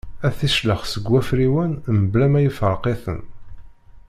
Ad t-iclex seg wafriwen mebla ma iferq-iten.